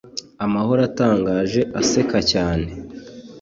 amahoro atangaje, aseka cyane